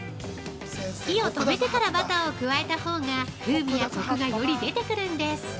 ◆火を止めてからバターを加えたほうが風味やコクがより出てくるんです。